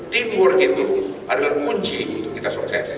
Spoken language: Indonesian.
timur itu adalah kunci untuk kita sukses